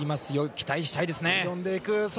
期待したいですね！